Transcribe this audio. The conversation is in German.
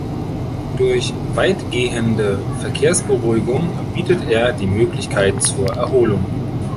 Durch weitgehende Verkehrsberuhigung bietet er die Möglichkeit zur Erholung.